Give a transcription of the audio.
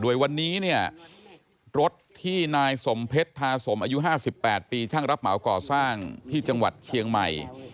โดยวันนี้เนี่ยรถที่นายสมเพชรทาสมอายุ๕๘ปีช่างรับเหมาก่อสร้างที่จังหวัดเชียงใหม่